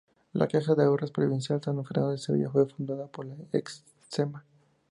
La Caja de Ahorros Provincial San Fernando de Sevilla fue fundada por la Excma.